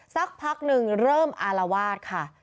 สักพักหนึ่งเริ่มอารวาสค่ะ